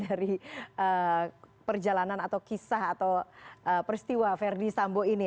dari perjalanan atau kisah atau peristiwa verdi sambo ini